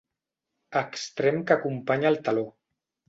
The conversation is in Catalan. Extrem que acompanya el taló.